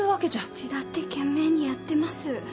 うちだって懸命にやってます。